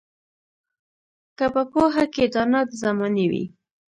که په پوهه کې دانا د زمانې وي